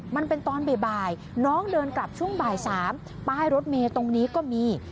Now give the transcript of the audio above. มันเป็นตอนบ่ายน้องเดินกลับช่วงบ่าย๓ป้ายรถเมย์ตรงนี้ก็มี